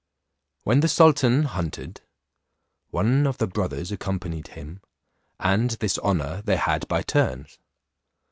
When the sultan hunted, one of the brothers accompanied him, and this honour they had by turns.